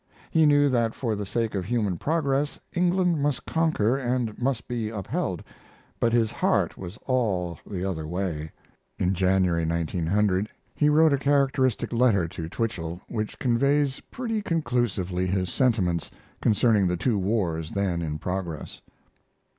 He knew that for the sake of human progress England must conquer and must be upheld, but his heart was all the other way. In January, 1900, he wrote a characteristic letter to Twichell, which conveys pretty conclusively his sentiments concerning the two wars then in progress.